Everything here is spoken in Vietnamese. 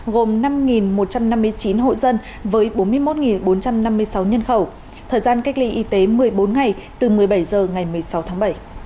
gồm năm một trăm năm mươi chín hộ dân với bốn mươi một bốn trăm năm mươi sáu nhân khẩu thời gian cách ly y tế một mươi bốn ngày từ một mươi bảy h ngày một mươi sáu tháng bảy